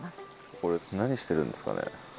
これ何してるんですかね？